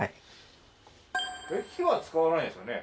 火は使わないんですよね？